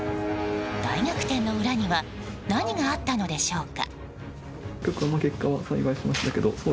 大逆転の裏には何があったのでしょうか。